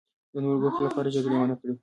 د نورو د ګټو لپاره جګړه ونکړي.